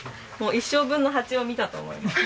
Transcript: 一生分のハチを見たと思います。